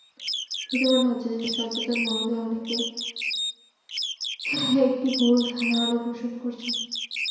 প্রতীয়মান হচ্ছে যে, সচেতন মহলের অনেকেই একটি গুরুতর ভুল ধারণা পোষণ করছেন।